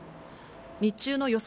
日中の予想